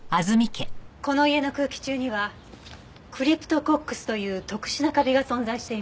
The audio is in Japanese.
この家の空気中にはクリプトコックスという特殊なカビが存在していました。